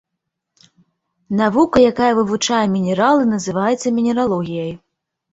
Навука, якая вывучае мінералы называецца мінералогіяй.